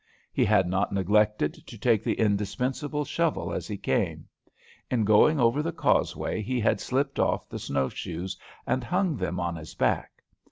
He had not neglected to take the indispensable shovel as he came. In going over the causeway he had slipped off the snow shoes and hung them on his back.